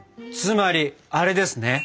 つまりアレですね？